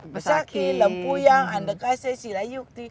besarki lempuyang andekase silayukti